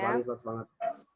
iya bener totalitas banget